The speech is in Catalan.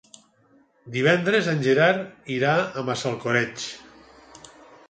Divendres en Gerard irà a Massalcoreig.